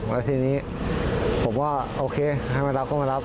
แล้วทีนี้ผมก็โอเคให้มารับก็มารับ